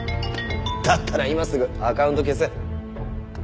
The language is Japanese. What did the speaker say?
だったら今すぐアカウント消せ。